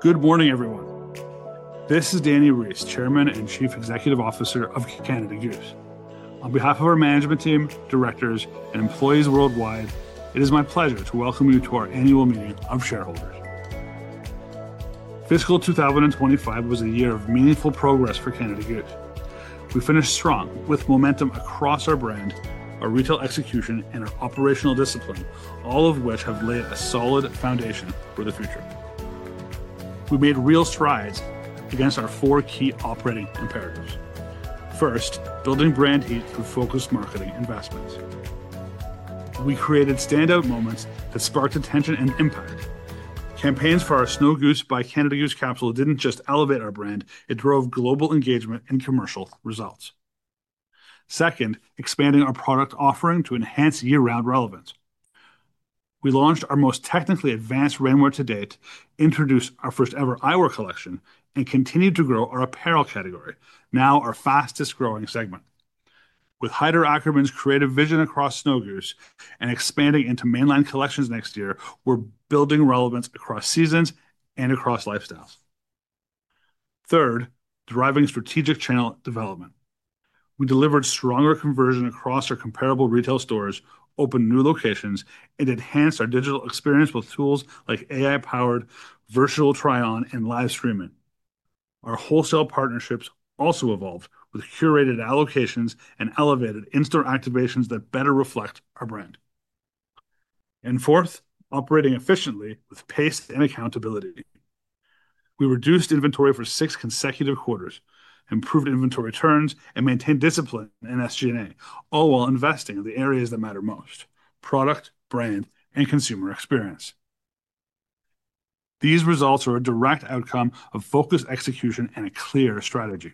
Good morning, everyone. This is Dani Reiss, Chairman and Chief Executive Officer of Canada Goose. On behalf of our management team, directors, and employees worldwide, it is my pleasure to welcome you to our Annual Meeting of Shareholders. Fiscal 2025 was a year of meaningful progress for Canada Goose. We finished strong with momentum across our brand, our retail execution, and our operational discipline, all of which have laid a solid foundation for the future. We made real strides against our four key operating imperatives. First, building brand heat through focused marketing investments. We created standout moments that sparked attention and impact. Campaigns for our Snow Goose by Canada Goose Capsule didn't just elevate our brand, it drove global engagement and commercial results. Second, expanding our product offering to enhance year-round relevance. We launched our most technically advanced rainwear to date, introduced our first-ever eyewear collection, and continued to grow our apparel category, now our fastest growing segment. With Haider Ackermann's creative vision across Snow Goose and expanding into mainline collections next year, we're building relevance across seasons and across lifestyles. Third, driving strategic channel development. We delivered stronger conversion across our comparable retail stores, opened new locations, and enhanced our digital experience with tools like AI-powered virtual try-on and live streaming. Our wholesale partnerships also evolved with curated allocations and elevated in-store activations that better reflect our brand. Fourth, operating efficiently with pace and accountability. We reduced inventory for six consecutive quarters, improved inventory turns, and maintained discipline and SG&A, all while investing in the areas that matter most: product, brand, and consumer experience. These results are a direct outcome of focused execution and a clear strategy.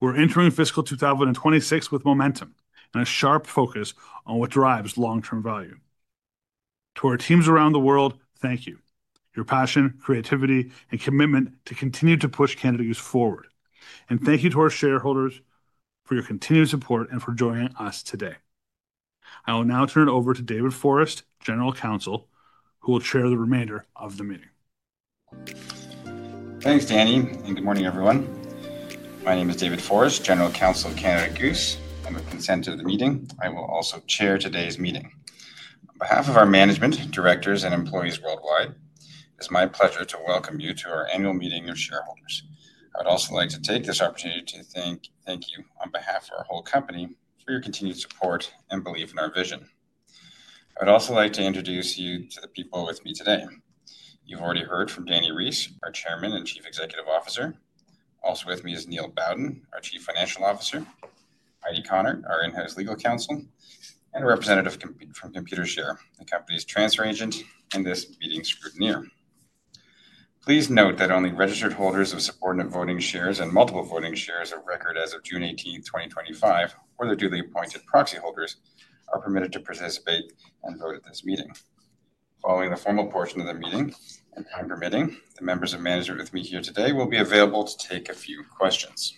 We're entering fiscal 2026 with momentum and a sharp focus on what drives long-term value. To our teams around the world, thank you. Your passion, creativity, and commitment continue to push Canada Goose forward. Thank you to our shareholders for your continued support and for joining us today. I will now turn it over to David Forrest, General Counsel, who will chair the remainder of the meeting. Thanks, Dani, and good morning, everyone. My name is David Forrest, General Counsel of Canada Goose. I am a consent to the meeting. I will also chair today's meeting. On behalf of our management, directors, and employees worldwide, it is my pleasure to welcome you to our annual meeting of shareholders. I would also like to take this opportunity to thank you on behalf of our whole company for your continued support and belief in our vision. I would also like to introduce you to the people with me today. You've already heard from Dani Reiss, our Chairman and Chief Executive Officer. Also with me is Neil Bowden, our Chief Financial Officer, Heidi Konnert, our in-house Legal Counsel, and a representative from ComputerShare, the company's transfer agent and this meeting's scrutineer. Please note that only registered holders of subordinate voting shares and multiple voting shares of record as of June 18th, 2025, or the duly appointed proxy holders, are permitted to participate and vote at this meeting. Following the formal portion of the meeting, time permitting, the members of management with me here today will be available to take a few questions.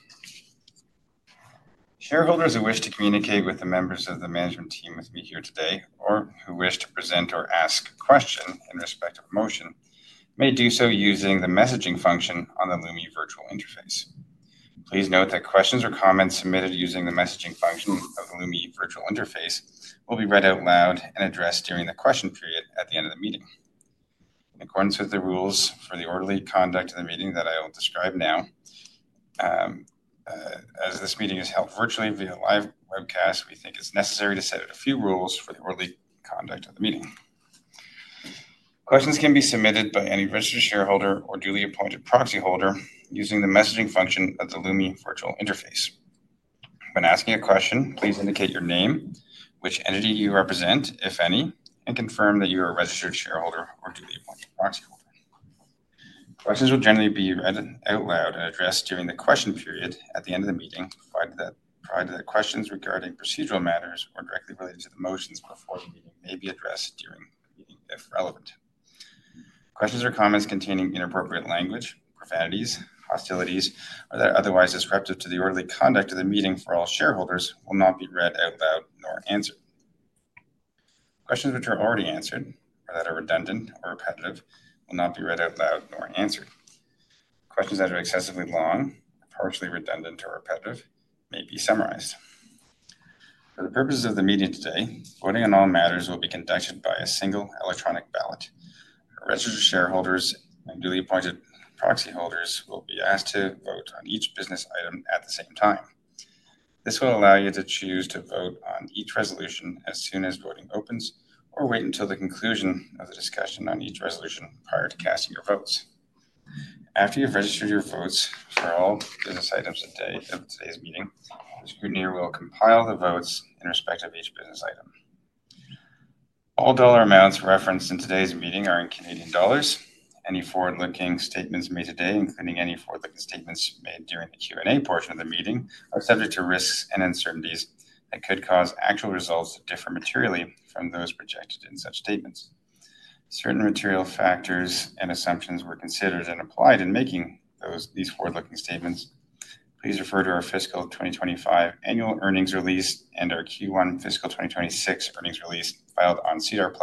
Shareholders who wish to communicate with the members of the management team with me here today or who wish to present or ask a question in respect of a motion may do so using the messaging function on the Lumi virtual interface. Please note that questions or comments submitted using the messaging function of the Lumi virtual interface will be read out loud and addressed during the question period at the end of the meeting. In accordance with the rules for the orderly conduct of the meeting that I will describe now, as this meeting is held virtually via live webcast, we think it's necessary to set a few rules for the orderly conduct of the meeting. Questions can be submitted by any registered shareholder or duly appointed proxy holder using the messaging function of the Lumi virtual interface. When asking a question, please indicate your name, which entity you represent, if any, and confirm that you are a registered shareholder or duly appointed proxy holder. Questions will generally be read out loud and addressed during the question period at the end of the meeting, provided that questions regarding procedural matters or directly related to the motions before the meeting may be addressed during the meeting if relevant. Questions or comments containing inappropriate language, profanities, hostilities, or that are otherwise disruptive to the orderly conduct of the meeting for all shareholders will not be read out loud nor answered. Questions which are already answered or that are redundant or repetitive will not be read out loud nor answered. Questions that are excessively long, partially redundant, or repetitive may be summarized. For the purposes of the meeting today, voting on all matters will be conducted by a single electronic ballot. Our registered shareholders and duly appointed proxy holders will be asked to vote on each business item at the same time. This will allow you to choose to vote on each resolution as soon as voting opens or wait until the conclusion of the discussion on each resolution prior to casting your votes. After you've registered your votes for all business items of today's meeting, the scrutineer will compile the votes in respect of each business item. All dollar amounts referenced in today's meeting are in Canadian dollars. Any forward-looking statements made today, including any forward-looking statements made during the Q&A portion of the meeting, are subject to risks and uncertainties that could cause actual results to differ materially from those projected in such statements. Certain material factors and assumptions were considered and applied in making these forward-looking statements. Please refer to our fiscal 2025 annual earnings release and our Q1 fiscal 2026 earnings release filed on SEDAR+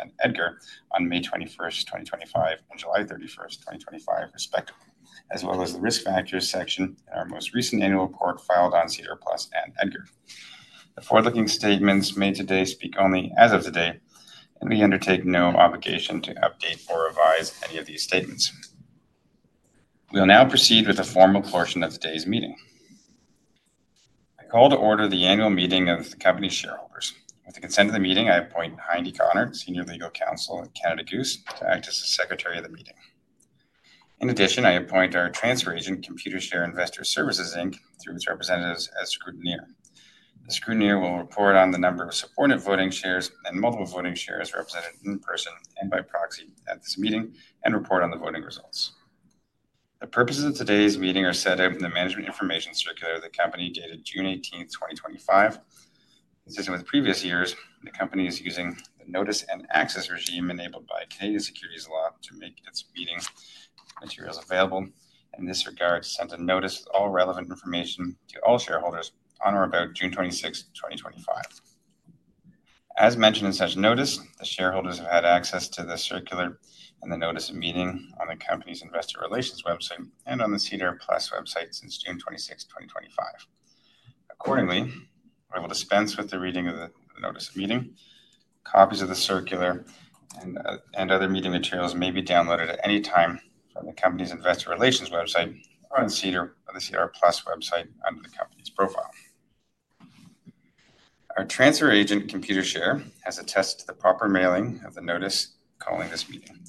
and EDGAR on May 21st, 2025 and July 31st, 2025, respectively, as well as the risk factors section in our most recent annual report filed on SEDAR+ and EDGAR. The forward-looking statements made today speak only as of today, and we undertake no obligation to update or revise any of these statements. We'll now proceed with the formal portion of today's meeting. I call to order the annual meeting of the company shareholders. With the consent of the meeting, I appoint Heidi Konnert, Senior Legal Counsel at Canada Goose, to act as the Secretary of the meeting. In addition, I appoint our Transfer Agent, ComputerShare Investor Services Inc., through its representatives as scrutineer. The scrutineer will report on the number of supported voting shares and multiple voting shares represented in person and by proxy at this meeting and report on the voting results. The purposes of today's meeting are set in the Management Information Circular of the Company dated June 18th, 2025. Consistent with previous years, the Company is using the notice and access regime enabled by today's securities law to make its meeting materials available. In this regard, it sent a notice with all relevant information to all shareholders on or about June 26th, 2025. As mentioned in such a notice, the shareholders have had access to the circular and the notice of meeting on the Company's Investor Relations website and on the SEDAR+ website since June 26, 2025. Accordingly, I will dispense with the reading of the notice of meeting. Copies of the circular and other meeting materials may be downloaded at any time from the Company's Investor Relations website or on the SEDAR+ website under the Company's profile. Our Transfer Agent, ComputerShare Investor Services Inc., has attested to the proper mailing of the notice calling this meeting.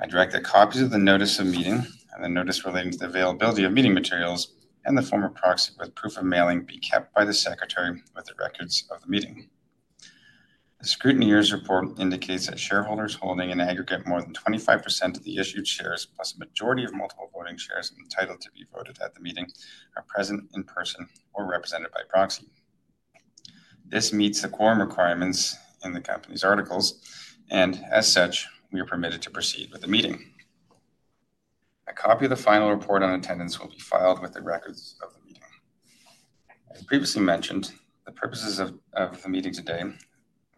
I direct that copies of the notice of meeting and the notice relating to the availability of meeting materials and the former proxy with proof of mailing be kept by the Secretary with the records of the meeting. The scrutineer's report indicates that shareholders holding in aggregate more than 25% of the issued shares, plus a majority of multiple voting shares entitled to be voted at the meeting, are present in person or represented by proxy. This meets the quorum requirements in the Company's articles, and as such, we are permitted to proceed with the meeting. A copy of the final report on attendance will be filed with the records of the meeting. As previously mentioned, the purposes of the meeting today,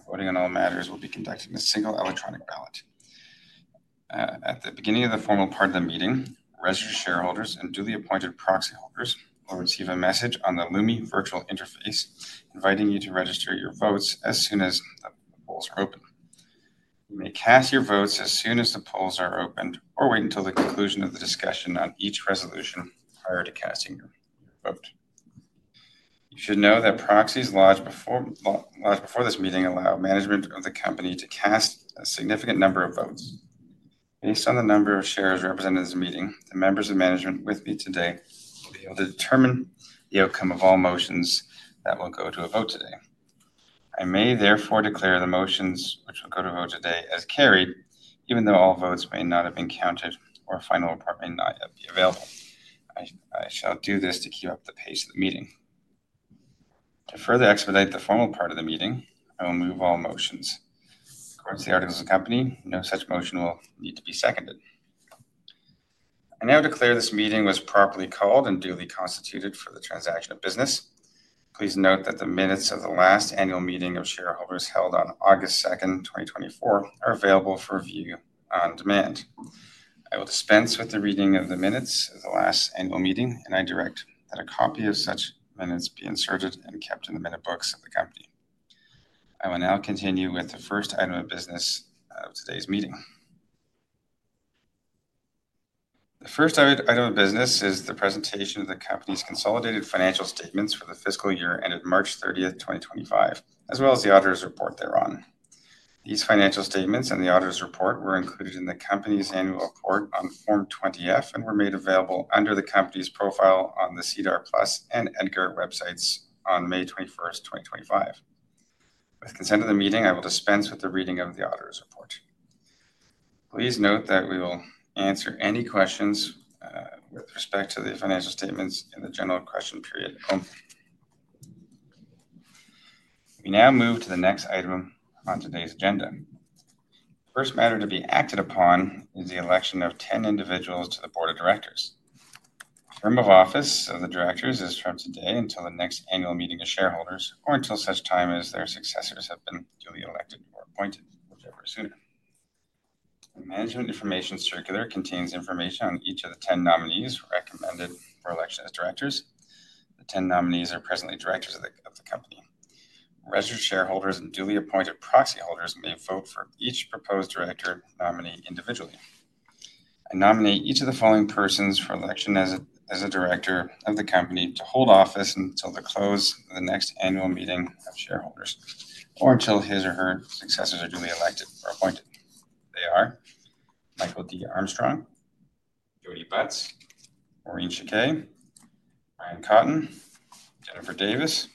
voting on all matters, will be conducted in a single electronic ballot. At the beginning of the formal part of the meeting, registered shareholders and duly appointed proxy holders will receive a message on the Lumi virtual interface inviting you to register your votes as soon as the polls are open. You may cast your votes as soon as the polls are opened or wait until the conclusion of the discussion on each resolution prior to casting your vote. You should know that proxies lodged before this meeting allow management of the Company to cast a significant number of votes. Based on the number of shares represented in this meeting, the members of management with me today will be able to determine the outcome of all motions that will go to a vote today. I may therefore declare the motions which will go to a vote today as carried, even though all votes may not have been counted or final report may not yet be available. I shall do this to keep up the pace of the meeting. To further expedite the formal part of the meeting, I will move all motions. From the articles of the Company, no such motion will need to be seconded. I now declare this meeting was properly called and duly constituted for the transaction of business. Please note that the minutes of the last annual meeting of shareholders held on August 2, 2024, are available for review on demand. I will dispense with the reading of the minutes of the last annual meeting, and I direct that a copy of such minutes be inserted and kept in the minute books of the Company. I will now continue with the first item of business of today's meeting. The first item of business is the presentation of the Company's consolidated financial statements for the fiscal year ended March 30th, 2025, as well as the auditor's report thereon. These financial statements and the auditor's report were included in the Company's annual report on Form 20-F and were made available under the Company's profile on the SEDAR+ and EDGAR websites on May 21, 2025. With consent of the meeting, I will dispense with the reading of the auditor's report. Please note that we will answer any questions with respect to the financial statements in the general question period only. We now move to the next item on today's agenda. The first matter to be acted upon is the election of 10 individuals to the Board of Directors. The term of office of the Directors is from today until the next annual meeting of shareholders or until such time as their successors have been duly elected or appointed, whichever is sooner. The Management Information Circular contains information on each of the 10 nominees recommended for election as Directors. The 10 nominees are presently Directors of the Company. Registered shareholders and duly appointed proxy holders may vote for each proposed Director nominee individually. Nominate each of the following persons for election as a Director of the Company to hold office until the close of the next annual meeting of shareholders or until his or her successors are duly elected or appointed. They are Michael D. Armstrong, Jody Butts, Maureen Chiquet, Brian Cotton, Jennifer Davis,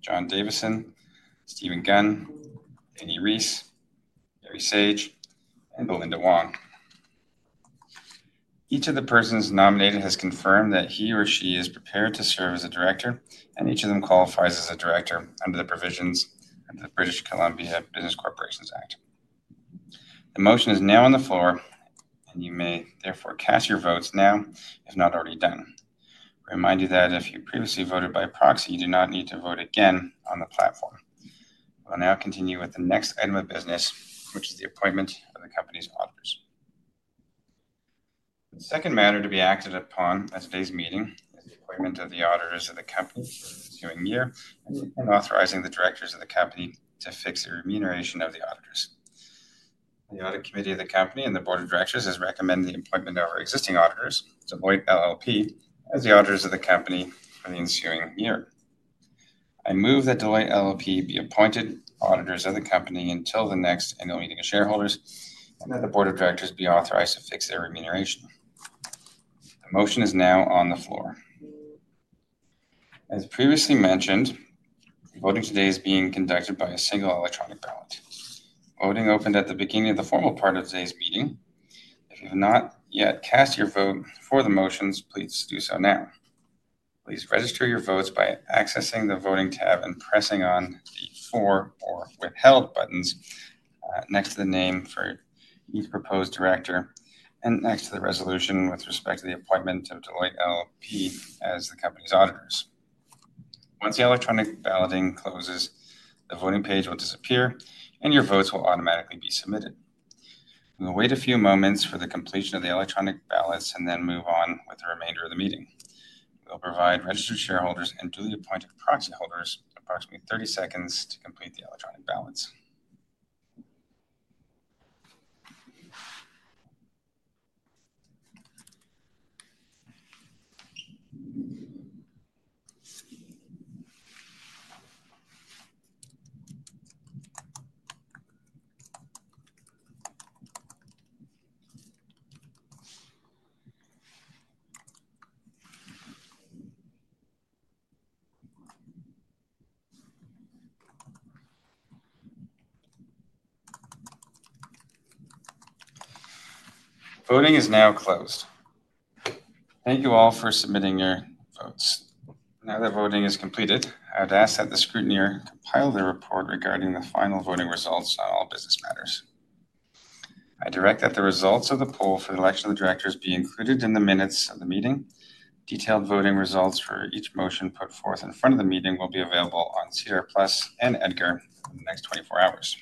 John Davison, Stephen Gunn, Dani Reiss, Gary Saage, and Belinda Wong. Each of the persons nominated has confirmed that he or she is prepared to serve as a Director, and each of them qualifies as a Director under the provisions under the British Columbia Business Corporations Act. The motion is now on the floor, and you may therefore cast your votes now if not already done. I remind you that if you previously voted by proxy, you do not need to vote again on the platform. I will now continue with the next item of business, which is the appointment of the Company's auditors. The second matter to be acted upon at today's meeting is the appointment of the auditors of the Company for the ensuing year and authorizing the Directors of the Company to fix the remuneration of the auditors. The Audit Committee of the Company and the Board of Directors has recommended the appointment of our existing auditors, Deloitte LLP, as the auditors of the Company for the ensuing year. I move that Deloitte LLP be appointed auditors of the Company until the next annual meeting of shareholders and that the Board of Directors be authorized to fix their remuneration. The motion is now on the floor. As previously mentioned, voting today is being conducted by a single electronic ballot. Voting opened at the beginning of the formal part of today's meeting. If you have not yet cast your vote for the motions, please do so now. Please register your votes by accessing the voting tab and pressing on the for or withheld buttons next to the name for each proposed Director and next to the resolution with respect to the appointment of Deloitte LLP as the Company's auditors. Once the electronic balloting closes, the voting page will disappear and your votes will automatically be submitted. We will wait a few moments for the completion of the electronic ballots and then move on with the remainder of the meeting. We'll provide registered shareholders and duly appointed proxy holders approximately 30 seconds to complete the electronic ballots. Voting is now closed. Thank you all for submitting your votes. Now that voting is completed, I would ask that the scrutineer compile the report regarding the final voting results on all business matters. I direct that the results of the poll for the election of the Directors be included in the minutes of the meeting. Detailed voting results for each motion put forth in front of the meeting will be available on SEDAR+ and EDGAR in the next 24 hours.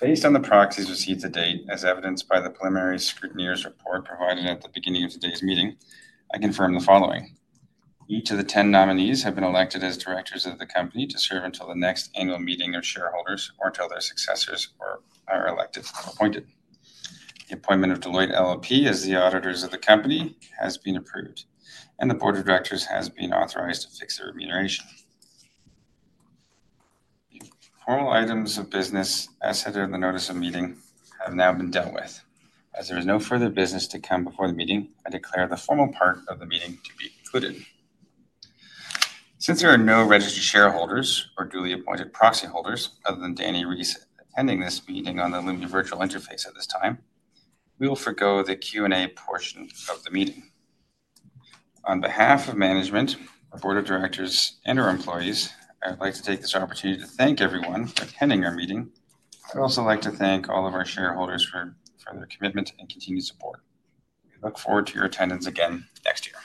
Based on the proxies received to date, as evidenced by the preliminary scrutineer's report provided at the beginning of today's meeting, I confirm the following. Each of the 10 nominees have been elected as Directors of the Company to serve until the next annual meeting of shareholders or until their successors are elected or appointed. The appointment of Deloitte LLP as the auditors of the Company has been approved, and the Board of Directors has been authorized to fix their remuneration. All items of business as set in the notice of meeting have now been dealt with. As there is no further business to come before the meeting, I declare the formal part of the meeting to be concluded. Since there are no registered shareholders or duly appointed proxy holders, other than Dani Reiss attending this meeting on the Lumi virtual interface at this time, we will forgo the Q&A portion of the meeting. On behalf of management, our Board of Directors, and our employees, I would like to take this opportunity to thank everyone for attending our meeting. I would also like to thank all of our shareholders for their commitment and continued support. I look forward to your attendance again next year.